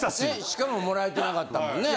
しかももらえてなかったもんね？